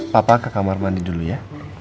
papa ke kamar mandi dulu ya